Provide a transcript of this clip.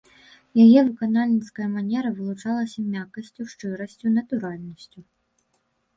Яе выканальніцкая манера вылучалася мяккасцю, шчырасцю, натуральнасцю.